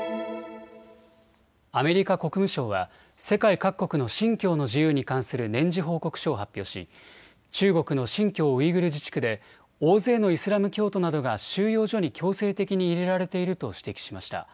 アメリカ国務省は世界各国の信教の自由に関する年次報告書を発表し中国の新疆ウイグル自治区で大勢のイスラム教徒などが収容所に強制的に入れられていると指摘しました。